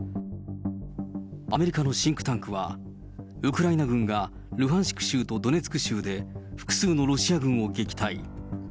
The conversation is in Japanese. アメリカのシンクタンクは、ウクライナ軍がルハンシク州とドネツク州で複数のロシア軍を撃退。